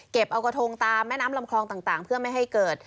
เอากระทงตามแม่น้ำลำคลองต่างเพื่อไม่ให้เกิด